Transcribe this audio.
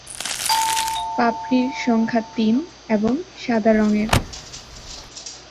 পাপড়ির সংখ্যা তিন এবং সাদা রঙের।